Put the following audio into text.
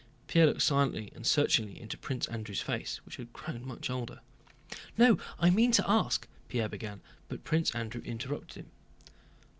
Pierre looked silently and searchingly into Prince Andrew's face, which had grown much older. "No, I meant to ask..." Pierre began, but Prince Andrew interrupted him.